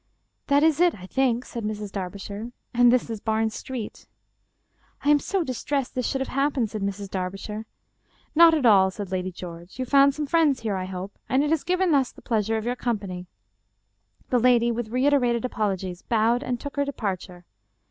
" That is it, I think," said Mrs. Darbishire. " And this is Bam Street." " I am so distressed this should have happened," said Mrs. Darbishire. " Not at all," said Lady George. " You found some friends here, I hope, and it has given us the pleasure of your company." The lady, with reiterated apologies, bowed and took her departure.